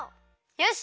よし！